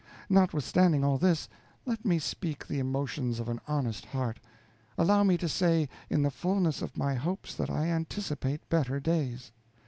Notwithstanding all this, let me speak the emotions of an honest heart; allow me to say in the fullness of my hopes that I anticipate better days.